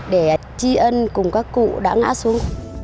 để chi ân cùng các cụ đã ngã xuống